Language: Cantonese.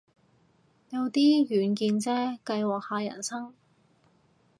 有啲遠見啫，計劃下人生